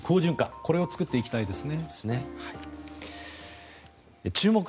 これを作っていきたいですね。